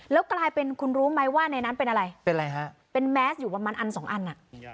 แล้วกลายเป็นคุณรู้ไหมว่าในนั้นเป็นอะไรเป็นอะไรฮะเป็นแมสอยู่ประมาณอันสองอันอ่ะ